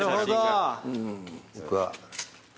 僕は。